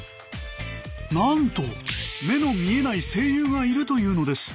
なんと目の見えない声優がいるというのです。